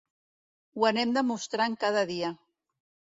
Ho anem demostrant cada dia.